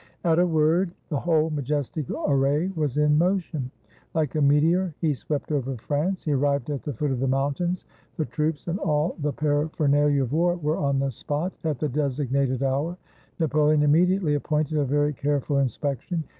At a word, the whole majestic array was in motion. Like a meteor he swept over France. He arrived at the foot of the mountains. The troops and all the parapher nalia of war were on the spot at the designated hour. Napoleon immediately appointed a very careful inspec tion.